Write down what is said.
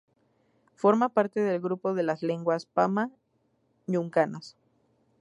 Forma parte del grupo de las lenguas pama-ñunganas.